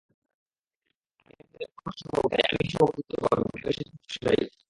আমি এখনো জেলা কমিটির সভাপতি, তাই আমিই সভাপতিত্ব করব, কেন্দ্রের সিদ্ধান্ত সেটাই।